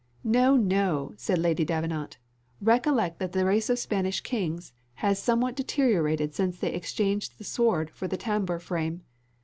"No, no," said Lady Davenant, "recollect that the race of Spanish kings has somewhat deteriorated since they exchanged the sword for the tambour frame.